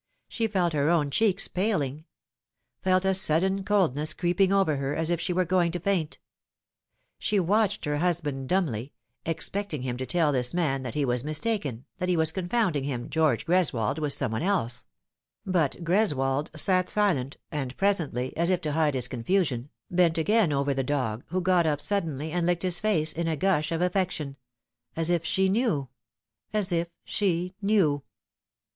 She felt her own cheeks paling ; felt a sudden coldness creeping over her, as if she were going to faint. She watched her husband dumbly, expecting him to tell this man that he was mistaken, that he was confounding him, George Greswold, with some one else ; but Greswold sat The Beginning of Doubt. 93 gilent, and presently, as if to hide his confusion, bent again over the dog, who got up suddenly and licked his face in a gush of affection as if she knew as if she knew.